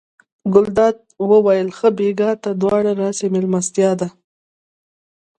ګلداد وویل ښه بېګا ته دواړه راسئ مېلمستیا ده.